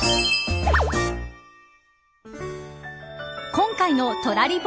今回のトラリポ！